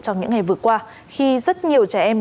trong những ngày vừa qua khi rất nhiều trẻ em